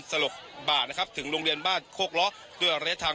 สลบบาดนะครับถึงโรงเรียนบ้านโคกล้อด้วยระยะทาง